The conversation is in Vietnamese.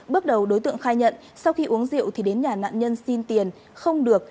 bước đầu đối tượng khai nhận sau khi uống rượu thì đến nhà nạn nhân xin tiền không được